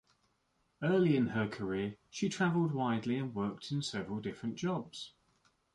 Early in her career, she traveled widely and worked in several different jobs.